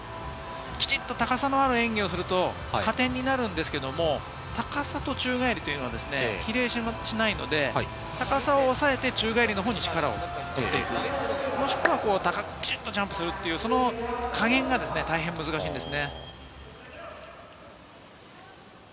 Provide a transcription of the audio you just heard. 高さのある演技をすると加点になるんですけれども、高さと宙返りというのは比例しないので、高さを抑えて宙返りのほうに力を、もしくは、きちんとジャンプするという、加減が大変難しいんです